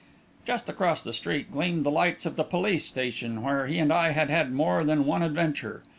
Just across the street gleamed the lights of the police station where he and I had had more than one adventure.